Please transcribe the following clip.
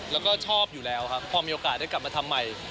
แล้วก็ชอบอยู่แล้วครับพอมีโอกาสได้กลับมาทำใหม่